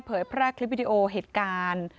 แพร่คลิปวิดีโอเหตุการณ์